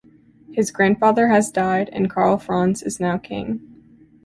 His grandfather has died, and Karl Franz is now King.